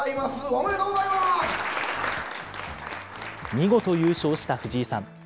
見事優勝した藤井さん。